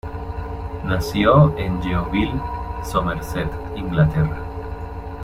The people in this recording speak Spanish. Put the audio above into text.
Nació en Yeovil, Somerset, Inglaterra.